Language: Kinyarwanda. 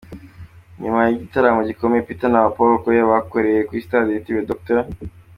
Nyuma y’igitaramo gikomeye Peter na Paul Okoye bakoreye kuri stade yitiriwe Dr.